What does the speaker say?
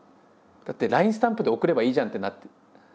だってＬＩＮＥスタンプで送ればいいじゃんってなって。